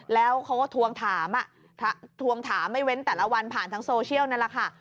แล้วเขาก็ทวงถามทวงถามไม่เว้นแต่ละวันผ่านทางโซเชียลนั่นแหละค่ะ